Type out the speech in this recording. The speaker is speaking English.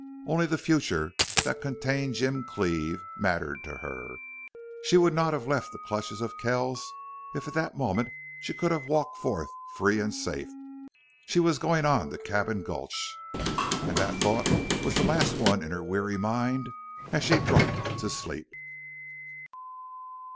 Only the future, that contained Jim Cleve, mattered to her. She would not have left the clutches of Kells, if at that moment she could have walked forth free and safe. She was going on to Cabin Gulch. And that thought was the last one in her weary mind as she dropped to sleep.